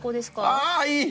ああいい！